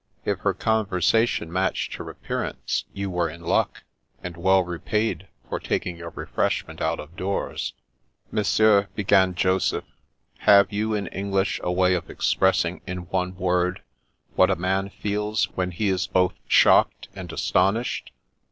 If her con versation matched her appearance, you were in luck, and well repaid for taking your refreshment out of doors." " Monsieur," began Joseph, " have you in Eng lish a way of expressing in one word what a man feels when he is both shocked and astonished